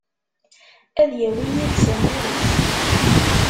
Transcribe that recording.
Ad yawi yid-s amur-is.